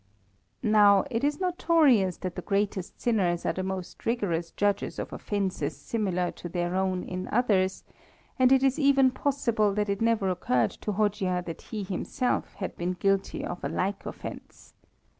Now, it is notorious that the greatest sinners are the most rigorous judges of offences similar to their own in others, and it is even possible that it never occurred to Hojia that he himself had been guilty of a like offence.